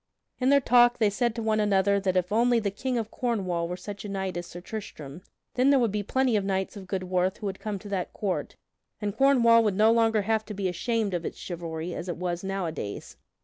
In their talk they said to one another that if only the King of Cornwall were such a knight as Sir Tristram, then there would be plenty of knights of good worth who would come to that court, and Cornwall would no longer have to be ashamed of its chivalry as it was nowadays.